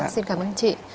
xin cảm ơn chị